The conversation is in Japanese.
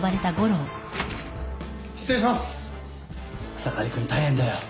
草刈君大変だよ。